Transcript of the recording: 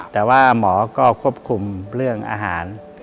แต่ว่าหมอก็ควบคุมเรื่องอาหาร